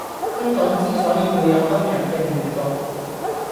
香港之所以會有今日既亂局